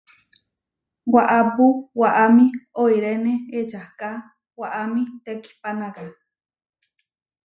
Waʼápu waʼámi oiréne ečahká waʼámi tekihpánaka.